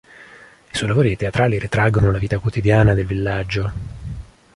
I suoi lavori teatrali ritraggono la vita quotidiana del villaggio.